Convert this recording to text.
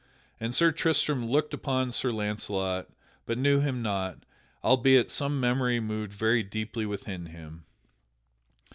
And Sir Tristram looked upon Sir Launcelot, but knew him not, albeit some small memory moved very deeply within him.